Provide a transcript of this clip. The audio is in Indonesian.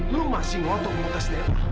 lu masih ngontok mau tes dna